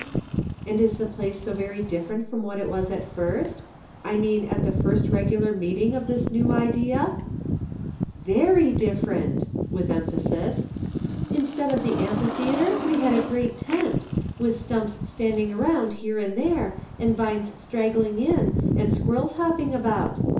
" And is the place so very different from what it was at first ? I mean at the first regular meet ing of this new idea ?"" Very different," with emphasis ;" instead of the amphitheatre we had a great tent, with stumps standing around here and there, and vines strag gling in and squirrels hopping about.